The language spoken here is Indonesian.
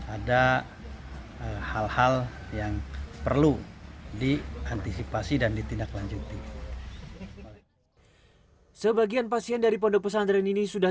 ada hal hal yang perlu diantisipasi dan ditindaklanjuti sebagian pasien dari pondok pesantren ini sudah